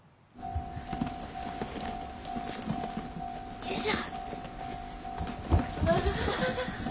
よいしょ！